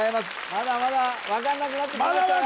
まだまだ分かんなくなってきましたよ